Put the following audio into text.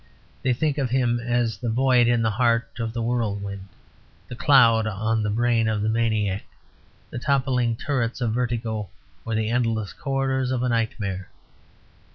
They think of him as the void in the heart of the whirlwind; the cloud on the brain of the maniac; the toppling turrets of vertigo or the endless corridors of nightmare.